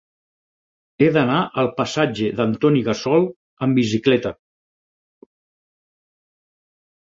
He d'anar al passatge d'Antoni Gassol amb bicicleta.